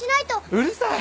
うるさい！